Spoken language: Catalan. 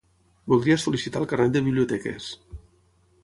Voldria sol·licitar el carnet de biblioteques.